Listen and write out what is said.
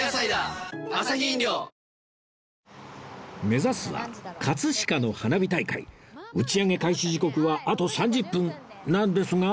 目指すは葛飾の花火大会打ち上げ開始時刻はあと３０分なんですが